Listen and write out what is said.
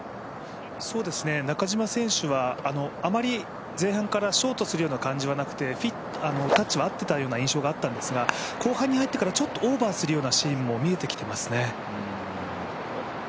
中島選手は、あまり前半からショートするような感じはなくてタッチは合っていたような印象があったんですが後半に入ってからちょっとオーバーするようなシーンも見えてきていますね。